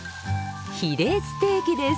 ヒレステーキです。